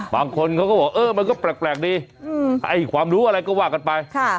บางคนเขาก็บอกเออมันก็แปลกดีให้ความรู้อะไรก็ว่ากันไป